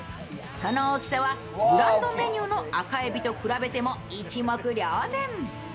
その大きさはグランドメニューの赤えびと比べても一目瞭然。